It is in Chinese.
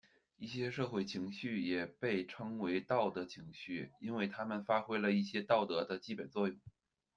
一些社会情绪也被称为道德情绪，因为他们发挥了一些道德的基本作用。